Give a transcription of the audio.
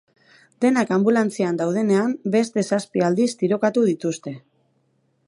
Denak anbulantzian daudenean, beste zazpi aldiz tirokatu dituzte.